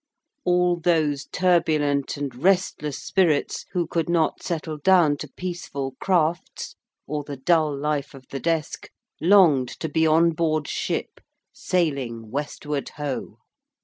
All those turbulent and restless spirits who could not settle down to peaceful crafts or the dull life of the desk, longed to be on board ship sailing Westward Ho.